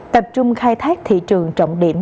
tập trung khai thác thị trường trọng điểm